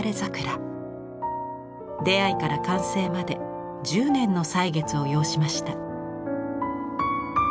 出会いから完成まで１０年の歳月を要しました。